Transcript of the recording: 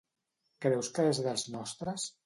Creus que és dels nostres?